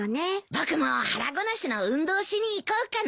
僕も腹ごなしの運動しに行こうかな。